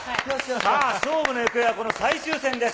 さあ、勝負の行方はこの最終戦です。